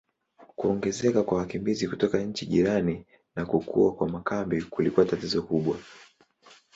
Kuongezeka kwa wakimbizi kutoka nchi jirani na kukua kwa makambi kulikuwa tatizo kubwa.